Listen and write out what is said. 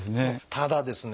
ただですね